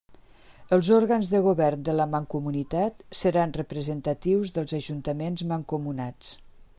Els òrgans de govern de la Mancomunitat seran representatius dels ajuntaments mancomunats.